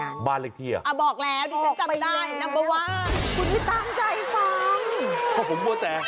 หัวและห่อน